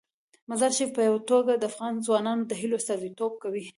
مزارشریف په پوره توګه د افغان ځوانانو د هیلو استازیتوب کوي.